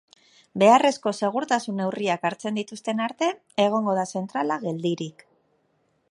Beharrezko segurtasun neurriak hartzen dituzten arte egongo da zentrala geldirik.